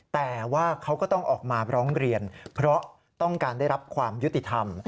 แต่ว่าเขาก็ต้องออกมาร้องเรียนเพราะต้องการได้รับความยุติธรรม